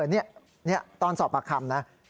นี่ตอนสอบปากคำนะ